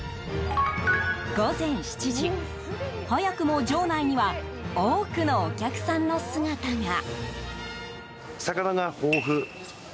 午前７時、早くも場内には多くのお客さんの姿が。